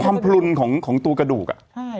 ความผลุลของตัวกระดูกอะ